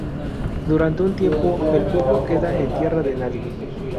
Durante un tiempo el pueblo queda en tierra de nadie.